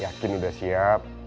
yakin udah siap